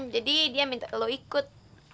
jadi dia minta lo ikut